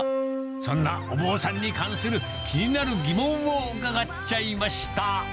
そんなお坊さんに関する気になる疑問を伺っちゃいました。